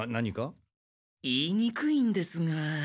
言いにくいんですが。